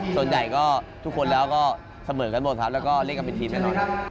ส่วนใหญ่ทุกคนแล้วก็เสมอกันหมดแล้วก็เล่นกลับเป็นทีมแน่นอน